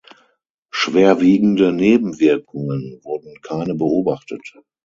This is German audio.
Schwerwiegende Nebenwirkungen wurden keine beobachtet.